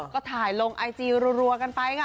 ก็ถ่ายลงไอจีรัวกันไปค่ะ